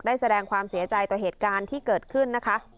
แสดงความเสียใจต่อเหตุการณ์ที่เกิดขึ้นนะคะ